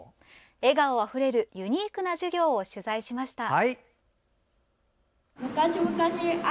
笑顔あふれるユニークな授業を取材しました。